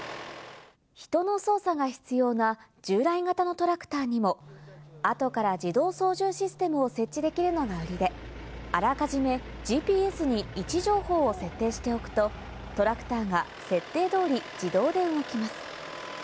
人の操作が必要な従来型のトラクターにも後から自動操縦システムを設置できるのが売りで、あらかじめＧＰＳに位置情報を設定しておくとトラクターが設定通り自動で動きます。